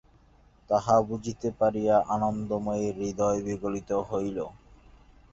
তাহা বুঝিতে পারিয়া আনন্দময়ীর হৃদয় বিগলিত হইল।